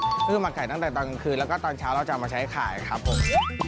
ก็คือหมักไก่ตั้งแต่ตอนกลางคืนแล้วก็ตอนเช้าเราจะเอามาใช้ขายครับผม